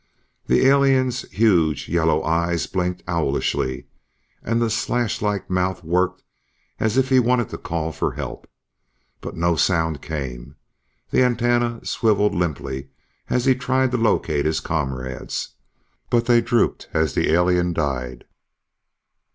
The alien's huge yellow eyes blinked owlishly and the slash like mouth worked as if he wanted to call for help. But no sound came. The antennae swiveled limply as he tried to locate his comrades, but they drooped as the alien died.